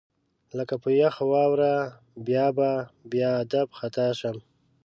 لکه په یخ واوره بې ابه، بې ادب خطا شم